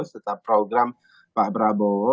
serta program pak prabowo